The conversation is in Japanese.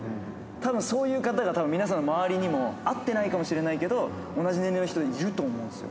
ただ、そういう方々、皆さんの周りにも、会ってないかもしれないけど、同じ年代の人にいると思うんですよ。